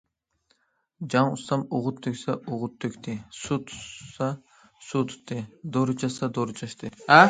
جاڭ ئۇستام ئوغۇت تۆكسە ئوغۇت تۆكتى، سۇ تۇتسا سۇ تۇتتى، دورا چاچسا دورا چاچتى.